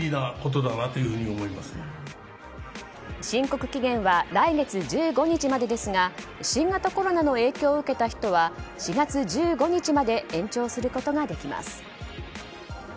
申告期限は来月１５日までですが新型コロナの影響を受けた人は４月１５日まで延長することができます。